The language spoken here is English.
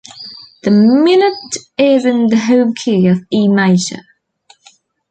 The minuet is in the home key of E major.